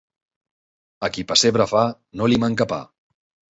A qui pessebre fa, no li manca pa.